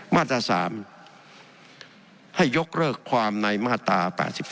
มาตรา๓ให้ยกเลิกความในมาตรา๘๒